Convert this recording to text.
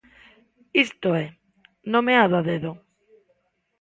Isto é, nomeado a dedo.